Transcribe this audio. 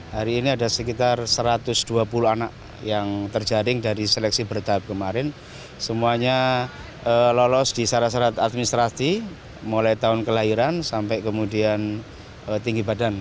hari ini ada sekitar satu ratus dua puluh anak yang terjaring dari seleksi bertahap kemarin semuanya lolos di syarat syarat administrasi mulai tahun kelahiran sampai kemudian tinggi badan